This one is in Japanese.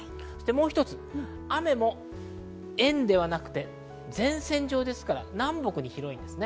もう一つ、雨も円はなくて前線上ですから、南北に広いです。